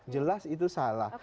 jelas itu salah